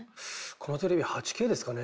このテレビ８Ｋですかね？